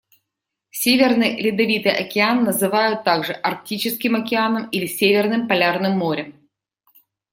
Северный Ледовитый Океан называют также Арктическим Океаном или Северным Полярным Морем.